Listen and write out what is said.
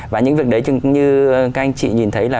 và những việc đấy như các anh chị nhìn thấy là